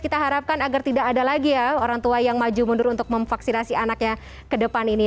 kita harapkan agar tidak ada lagi ya orang tua yang maju mundur untuk memvaksinasi anaknya ke depan ini